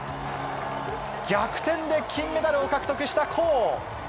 逆転で金メダルを獲得した谷。